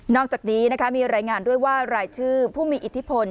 อกจากนี้มีรายงานด้วยว่ารายชื่อผู้มีอิทธิพล